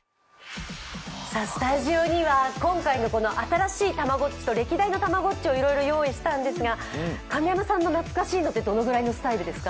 スタジオには今回の新しいたまごっちと歴代のたまごっちなどいろいろ用意したんですが、神山さんの懐かしいのって、どのくらいのスタイルですか？